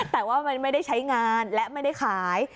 แต่ว่ามันไม่ได้ใช้งานและไม่ได้ขาย